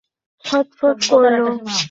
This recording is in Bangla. ছটফট করলো কয়েকদিন ধরে, বাছুরের মতো চিৎকার করলো।